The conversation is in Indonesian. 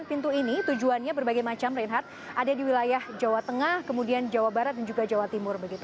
pintu ini tujuannya berbagai macam reinhardt ada di wilayah jawa tengah kemudian jawa barat dan juga jawa timur begitu